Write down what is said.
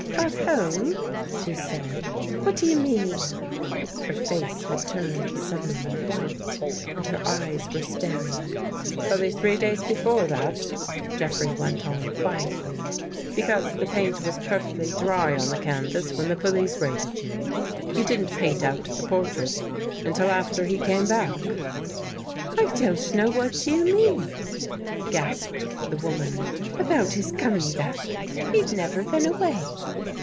'' Got home," she said. " What do you mean? " Her face had turned suddenly white and her eyes were staring. " Fully three days before that," Jeffrey went on quietly. " Because the paint was perfectly dry on the canvas when the police raided you. You didn't paint out the portrait until after he came back." "I — don't know what you mean," gasped the woman, " about his coming back. He'd never been away."